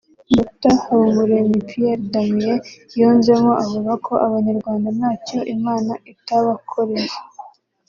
Dr Habumuremyi Pierre Damien yunzemo avuga ko Abanyarwanda ntacyo Imana itabakoreye